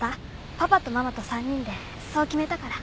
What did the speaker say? パパとママと三人でそう決めたから。